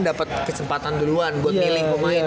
dapet kesempatan duluan buat milih pemain kan